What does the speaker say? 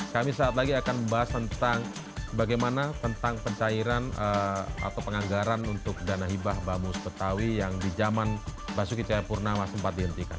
kami saat lagi akan membahas tentang bagaimana tentang pencairan atau penganggaran untuk dana hibah bamus betawi yang di zaman basuki cahayapurnama sempat dihentikan